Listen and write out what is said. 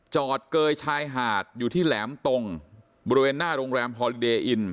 เกยชายหาดอยู่ที่แหลมตรงบริเวณหน้าโรงแรมฮอลิเดยอิน